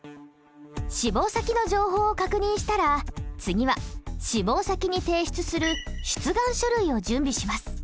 志望先の情報を確認したら次は志望先に提出する出願書類を準備します。